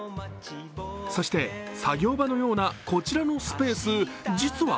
そして作業場のようなこちらのスペース、実は